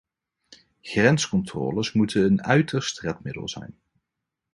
Grenscontroles moeten een uiterst redmiddel zijn.